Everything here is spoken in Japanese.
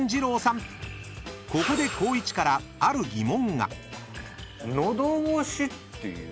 ［ここで光一からある疑問が］